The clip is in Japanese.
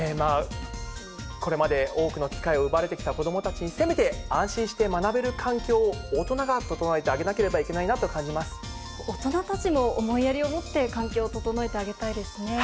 これまで多くの機会を奪われてきた子どもたちに、せめて安心して学べる環境を大人が整えてあげなければいけないな大人たちも思いやりを持って、環境を整えてあげたいですね。